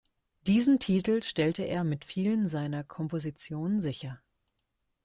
Diesen Titel stellte er mit vielen seiner Kompositionen sicher.